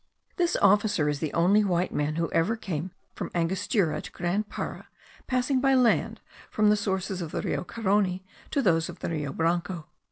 This officer is the only white man who ever came from Angostura to Grand Para, passing by land from the sources of the Rio Carony to those of the Rio Branco.